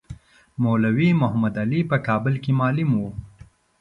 مولوی محمدعلي په کابل کې معلم وو.